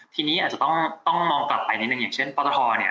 ทีนี้อาจจะต้องมองกลับไปนิดนึงอย่างเช่นปตทเนี่ย